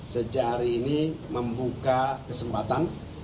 sejak hari ini membuka kesempatan